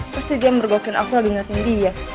pasti dia mergokin aku lagi ngeliatin dia